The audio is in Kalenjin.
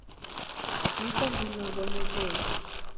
Mito nguno bwana Joel